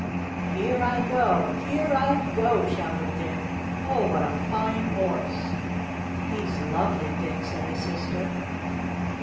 "Here I go! Here I go!" shouted Dick. "Oh, what a fine horse!" "He's lovely, Dick," said his sister.